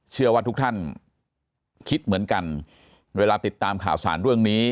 เชื่อว่าทุกท่านคิดเหมือนกันเวลาติดตามข่าวสารเรื่องนี้